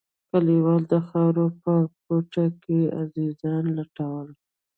كليوالو د خاورو په کوټو کښې عزيزان لټول.